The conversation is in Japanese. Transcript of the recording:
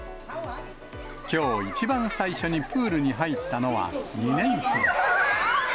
きょう一番最初にプールに入ったのは２年生。